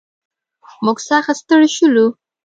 موږ سخت ستړي شولو.